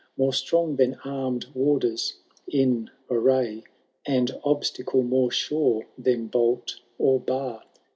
More strong than armed warders in array. And obstacle more sure than bolt or bar.